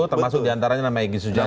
termasuk diantaranya nama egy sujana